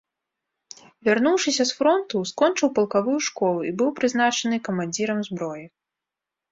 Вярнуўшыся з фронту, скончыў палкавую школу і быў прызначаны камандзірам зброі.